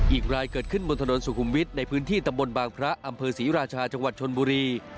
อีกรายเกิดขึ้นบนถนนสุขุมวิทย์ในพื้นที่ตำบลบางพระอำเภอศรีราชาจังหวัดชนบุรี